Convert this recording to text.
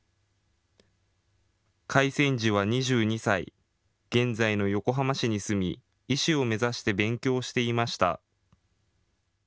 開戦時は２２歳、現在の横浜市に住み医師を目指して勉強していました。